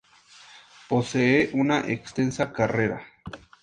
Posee una extensa carrera.